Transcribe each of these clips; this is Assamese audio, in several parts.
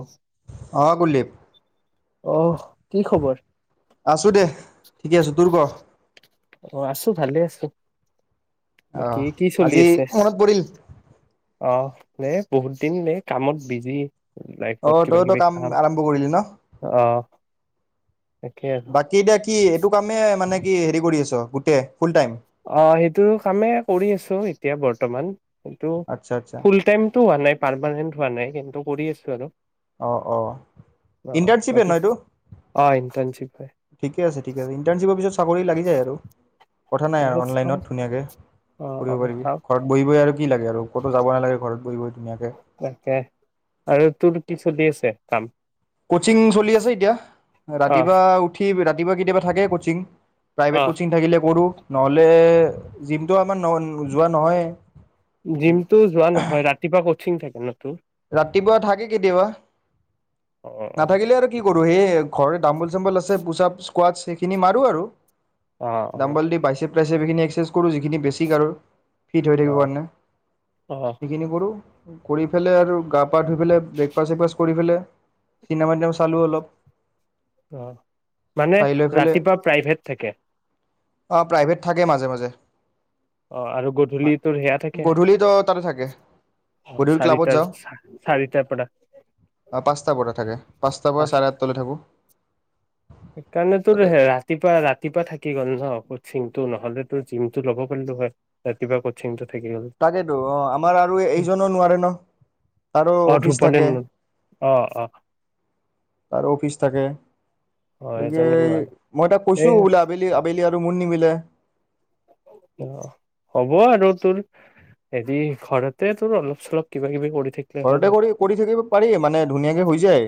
অ। অঁ কুলদীপ অঁ, কি খবৰ। আছোঁ দে, ঠিকে আছোঁ তোৰ ক। স অঁ, আজি মনত পৰিল অ নে, বহুত দিন নে কামত বিজি। লাইফত অঁ কিবা তই তো কিবি কাম আৰম্ভ কৰিলি ন, অ তাকে আৰু বাকী এতিয়া কি এইটো কামেই মানে কি হেৰি কৰি আছ গ কে অঁ সেইটো কামেই কৰি আছো এতিয়া বৰ্তমান। সেইটো আচ্ছা আচ্ছা ফুল টাইমটো হোৱা নাই। পাৰমানেন্ট হোৱা নাই, কিন্তু কৰি আছোঁ আৰু। অ অ অ ইণ্টাৰ্ণশ্বিপে বাকী ন এইটো, অ ইণ্টাৰ্ণশ্বিপ হয় ঠিকে আছে ঠিক আছে ইণ্টাৰ্ণশ্বিপৰ পিছত চাকৰি লাগি যায় আৰু। কথা নাই আৰু অনলাইনত ধুনীয়াকৈ অ অ কৰিব পাৰিবি চাওঁ ঘৰত বহিবই আৰু কি লাগে আৰু ক'তো যাব নালাগে ঘৰত বহি বহি। ধুনীয়াকৈ তাকে আৰু তোৰ কিছু দিছে কাম। কচিং চলি আছে এতিয়া। অ ৰাতি বা উঠি ৰাতিপুৱা কেতিয়াবা থাকে কচিং। অ প্ৰাইভেট কোচিং থাকিলে কৰো নহ'লে দি নটো আমাৰ যোৱা নহয় য়ে জিমটো যোবা নহয় ৰাতি পুৱা থাকে অন্যটো ৰাতিপুৱা থাকে কেতিয়াবা অহ কৰো সেই ঘৰৰে দাম্বোল চাম্বল আছে‌ পোছাক ইকুৱেডৰ মাৰি অ অ অ দাম্বল দি বাইছেপ বাইছেপখিনি এক্সাৰচাইজ কৰো যিখিনি বেছিক আৰু ফিট হৈ অ থাকিব কাৰণে অ অ সেইখিনি কৰোঁ কৰি ফেলে আৰু গাপ গা ধুই পেলে বেকফাষ্ট চেকফাষ্ট কৰিপেলে চিনেমা চালোঁ অলপ অ মানে ৰাতিপুৱা প্ৰাইভেট থাকে অহ প্ৰাইভেট থাকে মাজে মাজে অহ আৰু গধূলি তোৰ সেয়া থাকে গধূলিতো তাতে থাকে গধূলি ক্লাবত চাৰিটাৰ যাওঁ চাৰিটাৰ পৰা পাঁচটাৰ পৰা থাকে পাঁচটাৰ পৰা চাৰে পাঁচটা আঠটালৈ থাকো সেইকাৰণে তোৰ ৰাতিপুৱা ৰাতিপুৱা থাকি গ'ল নোহ থিমটো নহ'লে তো জিমটো ল'ব পাৰলো হয় ৰাতিপুৱা কচ্ছিংটোত তাকেতো অ আমাৰ আৰু এইজনো নোৱাৰে ন তাৰো অ অফিচ ধ্ৰুপদে থাকে অ অ তাৰো অফিচ থাকে অ গতিকে এজনে নোৱাৰে মই তাক কৈছো এই বোলে আবেলি আবেলি মোৰ নিমিলে অ হ'ব আৰু তোৰ হেৰি ঘৰতে তোৰ অলপ চলপ কিবা কিবি কৰি থাকিলে হ'ল ঘৰতে আৰু কৰি কৰি থাকিব পাৰি মানে ধুনীয়াকৈ হৈ যায়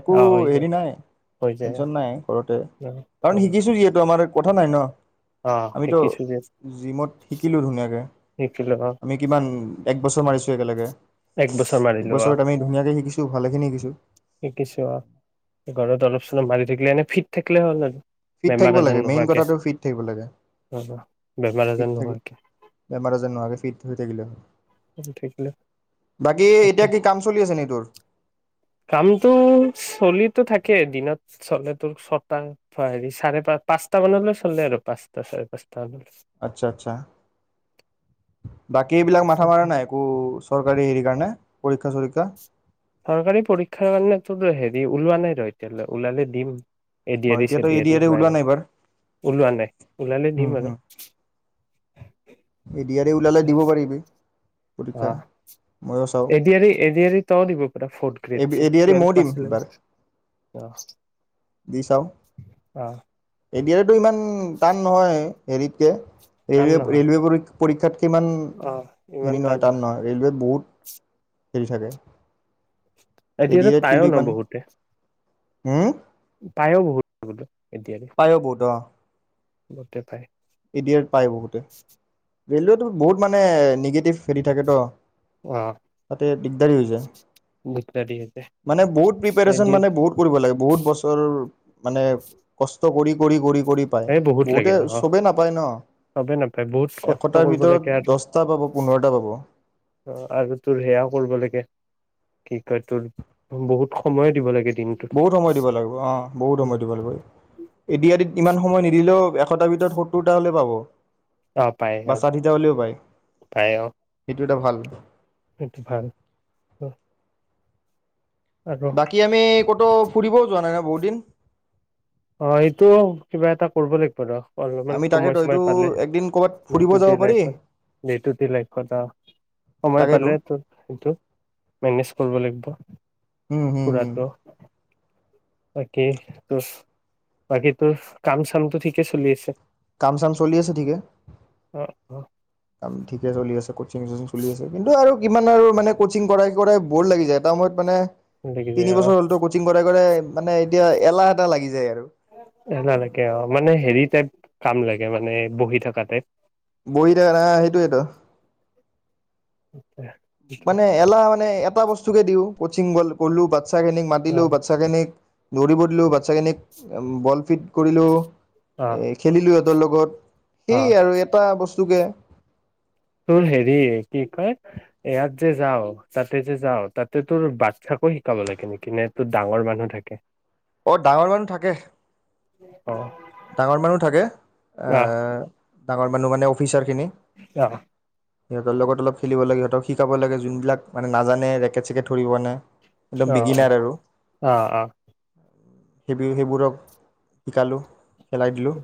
একো অ হৈ যায় হেৰি নাই হৈ যায় অ টেনচন নাই ঘৰতে কাৰণ অ শিকিছোঁ যিহেতু আমাৰ কথা নাই ন অ আমিটো শিকিছো যে জিমত শিকিলোঁ ধুনীয়াকে শিকিলো অ আমি কিবা এক্ত একবছৰ মাৰিছো একেলগে এক বছৰ মাৰিলো অ একবছৰত আমি ধুনীয়াকে শিকিছো ভালেখিনি শিকিছো শিকিছো অ ঘৰত অলপ চলপ মাৰি থাকিলে এনে ফিট থাকিলে হ'ল আৰু ফিট বেমাৰ থাকিব আজাৰ লাগে মেইন নোহোৱাকে কথাটো ফিট থাকিব লাগে অ বেমাৰ আজাৰ ফিট থাকিলে নোহোৱাকে বেমাৰ আজাৰ নোহোৱাকে ফিট হৈ থাকিলে হল বাকী অকে এতিয়া কি কাম চলি আছে নি তোৰ কামটো চলিতো থাকে দিনত চলে তোৰ ছটা হেৰি চাৰে প পাঁচটা মানলৈ চলে আৰু পাঁচটা চাৰে পাঁচটা। মানলৈ আচ্ছা, আচ্ছা। বাকী এইবিলাক মাথা মৰা নাই একো। [inaudible] চৰকাৰী [unintelligible] [unintelligible] পৰীক্ষা। চৰীক্ষা চৰকাৰী পৰীক্ষাৰ কাৰণে তোৰ, হেৰি ওলোৱা নাই। [unintelligible] হ'লে, ওলালে দিম। অ এডিয়াৰী এতিয়াতো এ ডি চেডিয়াৰী আৰ ই বা ওলোৱা নাই এনেকুৱা, এইবাৰ ওলোৱা নাই। ওলালে উম দিম হুম আৰু। এ ডি আৰ ই ওলালে দিব পাৰিবি পৰীক্ষা অ', ময়ো চাওঁ এডিয়াৰী এডিয়াৰী তয়ো দিব পাৰ, fourth A grade A D R E ময়ো টুৱেলভ দিম এইবাৰ পাছ। [unintelligible] দিচ চাওঁ। অ [unintelligible] টো ইমান টান নহয় এৰিতে ৰে টান নহয় ৰেলৱে প পৰীক্ষাত সিমান অ ইমান হেৰি নহয় ন টান নহয় ৰেলৱেত বহুত হেৰি থাকে এ ডি এতিয়াতো আৰ ই ত কিন্তু পায়ইও ন ইমান বহুতে পায়ো বহুত বো পায়ও বহত গোটেই পায় এডিয়েত পায় বহুতে ৰেলৱেত বহুত মানে নিগেটিভ হেৰি থাকে তো অ তাতে দিগদাৰী হৈ যায় দিগদাৰ দিয়ে মানে বহুত যে প্ৰিপৰেচন দিয়ে মানে বহুত কৰিব লাগে বহুত বছৰ মানে কষ্ট কৰি কৰি কৰি কৰি পায় এই বহুত লাগে বহুতে অ চবেই নাপায় ন চবে নাপায় বহুত কষ্ট এশটাৰ কৰিব লাগে ভিতৰত আৰু দহটা পাব পোন্ধৰটা পাব অ আৰু তোৰ সেয়াও কৰিব লাগে কি কয় তোৰ বহুত সময় দিব লাগে দিনটোত বহুত সময় দিব লাগিব অ বহুত সময় দিব লাগিব এডিআৰইত ইমান সময় নিদিলেও এশটাৰ ভিতৰত সত্তৰটা হ'লে পাব অ পায় বা অ ষাঠিটা পায় অ টা ভাল সেইটো ভাল আৰু বাকি আমি কত তো ফুৰিবও যোৱা নাই ন বহুত দিন অ এইটো কিবা এটা কৰিব লাগিব ৰ অলপমান আমি তাকেতো সময় সময় এইটো পালে একদিন ক'ৰবাত ডে ফুৰিব টু যাব ডে পাৰি লাইফত ডে টু ডে লাইফত সময় তাকেইতো পালে তো সেইটো মেনেজ কৰিব লাগিব উম হুম হুম ফুৰাটো বাকী তোৰ বাকী তোৰ কাম চামটো ঠিকে চলি আছে কাম চাম চলি আছে ঠিকে অ অ কাম ঠিকে চলি আছে ক চলি আছে কিন্তু আৰু কিমান আৰু মানে কচিং কৰাই কৰাই বৰ লাগি যায় এটা সময়ত মানে লাগিছে তিনি অ বছৰ হ'লতো কচিং কৰাই কৰাই মানে এতিয়া এলাহ এটা লাগি যায় আৰু শুনালৈকে অ মানে হেৰি টাইপ কাম লাগে মানে বহি থকা টাইপ বহি থকা না সেইটোৱেতো আা [unintelligible] মানে এলা মানে এটা বস্তু কে দিও কচিং গল'লো বাচ্ছাখিনিক অ মাতিলোঁ বাচ্ছাখিনিক খিনিক দৌৰিব দিলো বাচ্ছাখিনিক বল ফিট কৰিলো অ এ খেলিলো তৰ লগত অ সেই আৰু এটা বস্তু চুকীয়া [unintelligible] তোৰ হেৰি কি কয় ইয়াত যে যাও তাতে যে যাও তাতে তোৰ বাচ্ছাকো শিকাব লাগে নেকি নে তোৰ ডাঙৰ মানুহ থাকে অ ডাঙৰ মানুহ থাকে উম [inaudible] ডাঙৰ মানুহ থাকে এ আহ ডাঙৰ মানু কাৰণে অফিচাৰ অ সিহঁতৰ লগত অলপ খেলিব লাগে, সিহঁতক শিকাব লাগে যোনবিলাক মানে নাজানে ৰেকেট চেকেট ধৰিবানে। আহ অ আহ অ সেইবেলি সেইবোৰক শিকালোঁ খেলাই দিলোঁ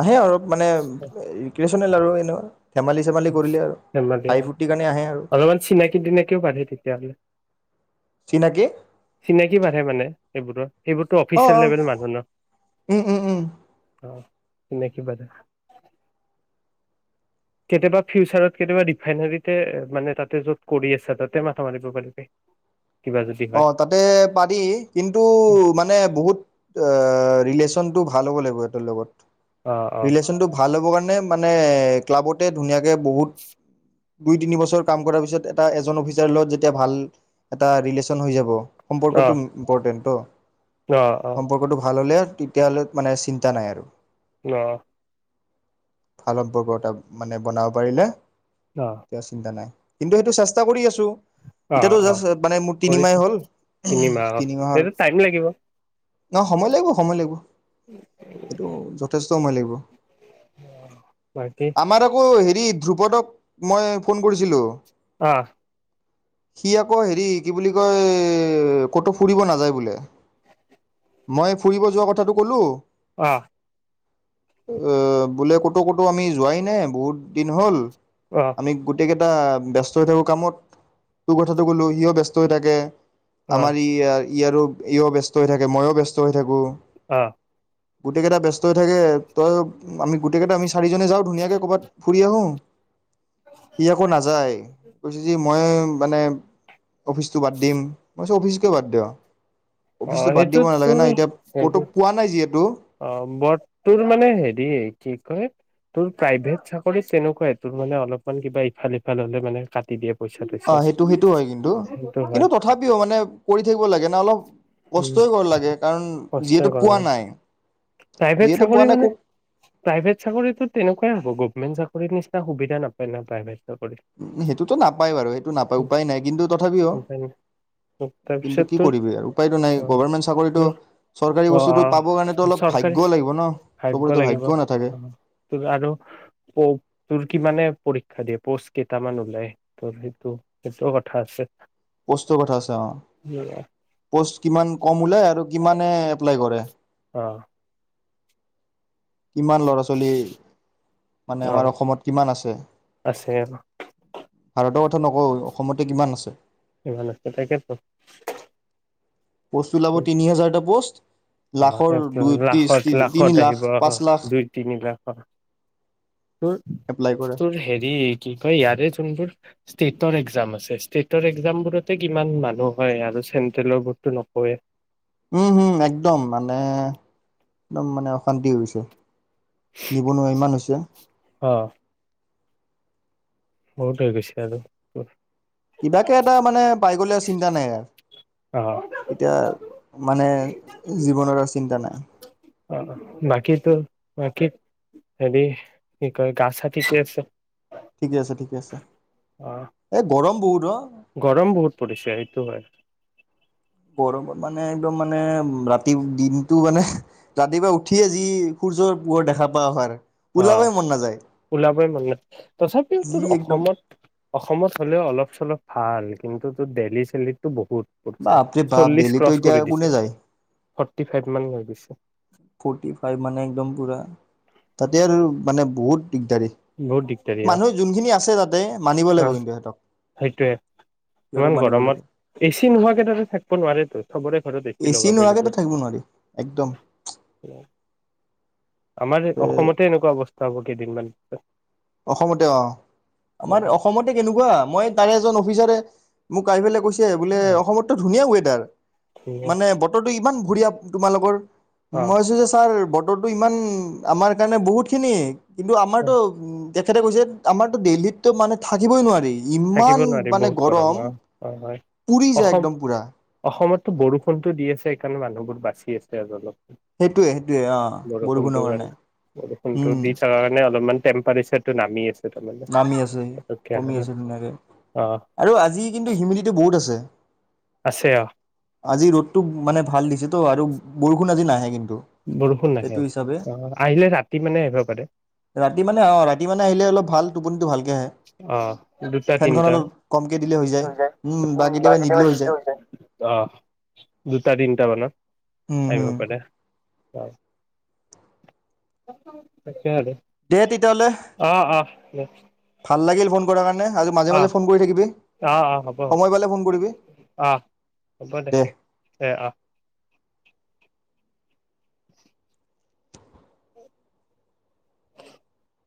আহে অলপ মানে নেল আৰু এনে [unintelligible] েম দে কাৰণে আহে আৰু অলপমান চিনাকি দিনাকিও বাঢ়ে তেতিয়াহলে চিনাকি [unintelligible] চিনাকি বাঢে মানে সেইবোৰত। সেইবোৰতো অ অফিচিয়েল অ লেভেল মানুহ ন? উম উম উম অ'। এনে কিবা এটা। কেতিয়াবা ফিউচাৰত কেতিয়াবা ৰিফাইনাৰীতে এ মানে তাতে য'ত কদি আছা, তাতে মাথা মাৰিব পাৰিবি। কিবা যদি হয় অ', তাতে পাদি, কিন্তু মানে বহুত এ ৰিলেছ চনটো ভাল হ'ব লাগিব, ইহটৰ লগত। [unintelligible] অ অ ৰিলেশ্যনটো ভাল হ'ব কান নে মানে, ক্লাবতে ধুনীয়াকে বহুত, দুই তিনি বছৰ কাম কৰা পিছত এটা এজন অফিচাৰ লগত যেতিয়া ভাল, এটা ৰেলেছ চন হৈ যাব। অ সম্পৰ্কটো ইম-ইম্পৰ্টেণ্ট অ'। অ অ সম্পৰ্কটো ভাল হ'লে। তেতিয়াহ'লে মানে চিন্তা নাই আৰু। অ' ফাল্পৰ্বতাপ মানে বনাব পাৰিলে! অ তিয়া চিন্তা নাই। কিন্তু, সেইটো চেষ্টা কৰি আছো। অ এতিয়াতো অ জাষ্ট মানে মোৰ কৰি তিনিমাহ চা। হ'ল তিনিমাহ। অ' সেইটো টাইম লাগিব। নহ সময় লাগিব, সময় লাগিব, এইটো, যথেষ্ট। চম লাগিব। বাকী আমাৰ আকৌ সি ৰি, ধ্ৰুপদক মই ফোন কৰিছিলো। অ' সি আকৌ হেৰি কি বুলি কয়, ক'তো ফুৰিব নাযায় বোলে। মই ফুৰিব যোৱা কথাটো ক'লো অ' অ' বোলে ক'তো ক'তো আমি যোৱাই নাই বহুত দিন হ'ল অ অ আমি গোটেইকেইত টা, ব্যস্ত হৈ থাকো কামত, তোৰ কথাটো ক'লো সিও ব্যস্ত। তই থাকে। আমাৰ ই, ই আৰু ইও ব্যস্ত হৈ থাকে, মইও ব্যস্ত হৈ থাকোঁ। অ'। গোটেই কেইটা ব্যস্ত হৈ থাকে, তই আমি গোটেই কেইটা আমি চাৰিজনেই যাওঁ ধুনীয়াকে ক'ৰবাত ফুৰি আহোঁ ই আকৌ নাযায়। কৈছো যে মই মানে অফিচটো বাদ দিম, মই কৈছো অফিচকৈ বাদ দিয়। অ অফিচতটো বাদ সেইটো দিব নালাগে তোৰ ন, এতিয়া ক'তো হেৰি পোৱা নাই যিহেতু। অ' বৰ তোৰ মানে হেৰি কি কয়? তোৰ প্ৰাইভেট চাকৰিত তেনেকুৱাই, তোৰ মানে অলপমান কিবা ইফাল সিফাল হলে মানে কাটি দিয়ে। পইচা চইচা অ' সেইটো সেইটো হয় কিন্তু, সেইটো হয় কিন্তু তথাপিও মানে কৰি থাকিব লাগে ন। অলপ উম কষ্টই কৰিব লাগে। কাৰণ কষ্ট যিহেতু কৰ পোৱা নাই। প্ৰাইভেট যিহেতু পোৱা চাকৰি নাই ক মানে? প্ৰাইভেট চাকৰিতো তেনেকুৱাই হব। গভমেন্ত চ চাকৰিৰ নিচিনা সুবিধা নাপায় ন, প্ৰাইভেট চাকৰিত। সেইটোতো নাপায় বাৰু সেইটো নাপায় সেইতো টো নাপায় বাৰু সেইতো নাপায়। উম, উপায় নাই কিন্তু তথাপিও? উপায় নাই। কিন্তু তাৰপিছত কি তোৰ কৰিবি আৰু উপায়তটো নাই অ' গভৰমেণ্ট চাকৰিতো তোৰ চৰকাৰী বস্তুতটো পাবৰ কা অ' চৰকাৰী ভাগ্য় লাগিব ভাগ্যও নাথাকে তোৰ আৰু তোৰ কি মানে পৰীক্ষা দিয়ে প'ষ্ট কেইটামান ওলাই ত' সেইটো সেইটোও কথা আছে পষ্টৰ কথা আছে অ পষ্ট কিমান কম ওলাই আৰু কিমানে এপ্লাই কৰে আহ কিমান ল'ৰা ছোৱালী মানে অ' আমাৰ অসমত কিমান আছে আছে ভাৰত ত নকওঁ অসমতে কিমান আছে ভাল তাই কেত [unintelligible] প'ষ্ট ওলাব তিনি হাজাৰটা প'ষ্ট আহ লাখৰ এক দুই ত্ৰিছ লাখত তিনি লাখত লাখ আহিব আহ পাঁচ লাখ দুই তিনি লাখত তোৰ এপ্লাই কৰে তোৰ হেৰি কি কয় ইয়াৰে যোনবোৰ ষ্টেটৰ এক্জাম আছে ষ্টেটৰ এক্জামবোৰতে কিমান মানুহ হয় আৰু চেন্ট্ৰেলৰ বৰ্তটো নো হয় উম হম একদম মানে একদম মানে অশান্তি হৈছে নিবনুৱা ইমান হৈছে বহুতেই গৈছে আৰু কিবাকে এটা মানে পাই গলে আছে চিন্তা নাই আৰু অ' এতিয়া মানে জীৱনৰ আৰু চিন্তা নাই অ বাকীতো বাকীত হেৰি কি কয় গা চাটিচে আছে ঠিকে আছে ঠিকে আছে অ' এই গৰম বহুত অ গৰম বহুত পৰিছে সেইটো হয় গৰমত মানে একদম মানে ৰাতি দিনটো মানে ৰাতিপুৱা উঠিয়ে যি সূৰ্যৰ পোহৰ দেখা পোৱা হয় অ ওলাবই মন নাই তথাপিও যি তোৰ একদম অসমত অসমত হ'লেও অলপ চলপ ভাল কিন্তু ত ডেইেলি চেলিতটো বহুত পৰিছে বাপ্ৰেবাপ বাপ্রেবাপ চল্লিশ দিল্লীটো এতিয়া কোনে যায় থটি ফাইভ মান হৈ গৈছে [unintelligible] ফৰ্টি ফাইভ মানে একদম পুৰা তাতে আৰু মানে বহুত দিগদাৰী বহুত দিগদাৰি অ'। মানুহ যোনখিনি আছে তাতে মানিব লাগিব অ', কিন্তু সিহঁতক সেইটোৱে। সিহঁতক ইমান মানিব লাগিব গৰমত এ চি নোহোৱাকে তাতে থাকিব নোৱাৰেটো। চবৰে ঘৰত এচি এ চি লগাবই নোহাকৈেয়ে লাগে। টো থাকিব নোৱাৰি। একদম। আমাৰ এ অসমতে এনেকুৱা অৱস্থা। বহুত কেইদিন মান অসমতে অ'। আমাৰ হ'ব অসমতে কেনেকুৱা। মই তাৰে এজন অফিচাৰে, মোক আহি পেলাই কৈছে। এই বোলে অ অসমতো ধুনীয়া ৱে দাল। ঠিক মানে বতৰটো ইমান বঢ়িয়া। তোমালোকৰ মইছো যে ছাৰ বৰ ৰ'দটো ইমান, আমাৰ কাৰণে বহুত খিনি। কিন্তু অ আমাৰটো উ তেখেতে কৈছে আমাৰতো দেলহিতটো মানে থাকিবই নোৱাৰি। থাকিব ইমান নোৱাৰি মানে বহুত গৰম, অ অ হয় পুৰি যায় একদম পুৰা! টো বৰষুণতো দি আছে, এইকাৰণে মানুহবোৰ বাচি আছে আৰু অলপ। হেতুৱে, হেটুৱে অ' বৰষুণটোৰ বৰষুণৰ কাৰণে, বৰষুণটো উম। দি থকা কাৰণে অলপমান টেম্পাৰেচাৰটো নামি আছে। [unintelligible] মানে নামি [unintelligible] আছে পতককে আহা কমি নাই। [unintelligible] আৰু আজি কিন্তু হিউমিদিটি বহুত আছে। আছে অ আজি ৰ'দটো মানে ভাল দিছিল। ত আৰু বৰষুণ আজি নাহে কিন বৰষুণ [unintelligible] নাহে এইটো আজি। হিচাবে, অ আহিলে ৰাতি মানে আহিব পাৰে ৰাতি মানে অ', ৰাতি মানে আহিলে অলপ ভাল। টোপনিটো ভাল অ', দুটা তিনটা, [unintelligible] যায়, উম, বা কেতিয়াবা তিনটা বাজি যায়, অহ, দুটা তিনটা মানত। উম আহিব হুম পাৰে। হয়। [unintelligible] দে [unintelligible] তেতিয়াহ'লে অ', অহ, ভাল লাগিল [unintelligible] ফোন কৰা কাৰণে আৰু মাজে মাজে ফোন কৰি থাকিবি, অ অ হ'ব হ'ব সময় পালে ফোন কৰিবি, অ হ'ব দে দেহ। দে অ [inaudible]